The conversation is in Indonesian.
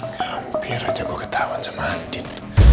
kampir aja gue ketahuan sama andin